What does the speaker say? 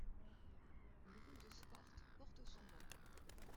Une rue de Sparte porte son nom.